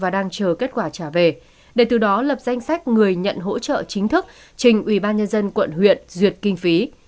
để từ đó lập danh sách người nhận hỗ trợ chính thức trình ubnd quận huyện duyệt kinh phí